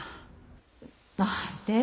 何で？